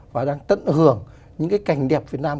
và đang tận hưởng những cái cảnh đẹp việt nam